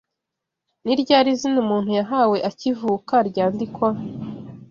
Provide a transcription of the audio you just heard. Ni ryari izina umuntu yahawe akivuka ryandikwa